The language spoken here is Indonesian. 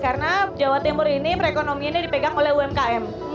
karena jawa timur ini perekonomiannya dipegang oleh umkm